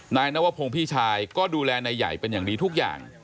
นายนวพงศ์พี่ชายก็ดูแลนายใหญ่เป็นอย่างดีทุกอย่าง